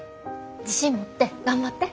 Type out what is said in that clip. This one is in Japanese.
自信持って頑張って。